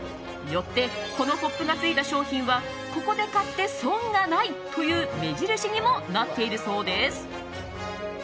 よってこのポップがついた商品はここで買って損がないという目印にもなっているそうです。